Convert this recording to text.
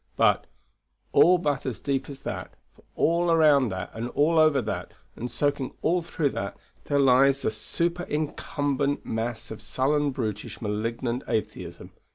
But, all but as deep as that for all around that, and all over that, and soaking all through that there lies a superincumbent mass of sullen, brutish, malignant atheism.